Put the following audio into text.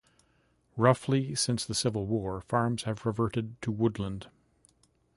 Roughly since the Civil War, farms have reverted to woodland.